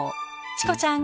チコちゃん